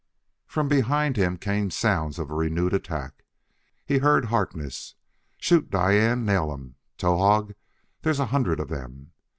From behind him came sounds of a renewed attack. He heard Harkness: "Shoot, Diane! Nail 'em, Towahg! There's a hundred of them!"